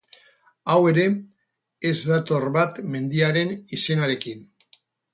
Hau ere, ez dator bat mendiaren izenarekin.